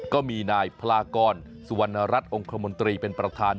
ก็มีนายพลากรสุวรรณรัฐองคมนตรีเป็นประธาน